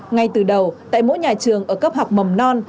ngay từ đầu tại mỗi nhà trường ở cấp học mầm non